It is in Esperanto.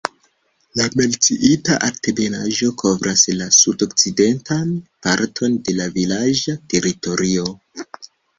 La menciita altebenaĵo kovras la sudokcidentan parton de la vilaĝa teritorio.